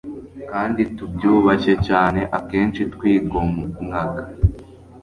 kandi tubyubashye cyane Akenshi twigomwaga